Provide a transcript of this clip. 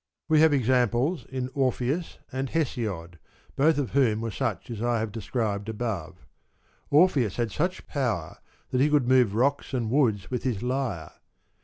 We have examples in Orpheus and Hesiod, both of whom were such as I have described above. Orpheus had such power that he could move rocks and woods with his lyre.